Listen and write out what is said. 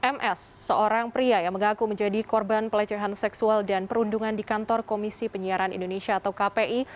ms seorang pria yang mengaku menjadi korban pelecehan seksual dan perundungan di kantor komisi penyiaran indonesia atau kpi